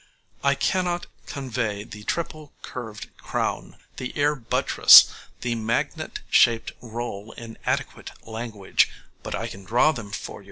I cannot convey the triple curved crown, the ear buttress, the magnet shaped roll in adequate language, but I can draw them for you.